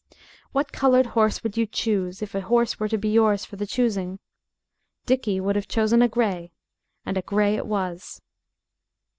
What colored horse would you choose if a horse were to be yours for the choosing? Dickie would have chosen a gray, and a gray it was.